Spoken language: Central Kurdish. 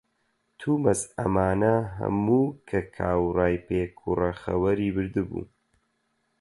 تومەز ئەمانە هەموو کە کاورای پێکوڕە خەوەری بردبوو،